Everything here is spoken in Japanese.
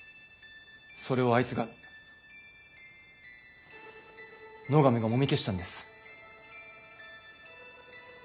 それをあいつが野上がもみ消したんです。